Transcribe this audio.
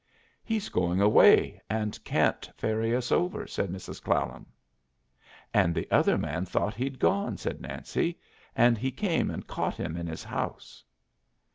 "He's going away, and can't ferry us over," said Mrs. Clallam. "And the other man thought he'd gone," said Nancy, "and he came and caught him in his house."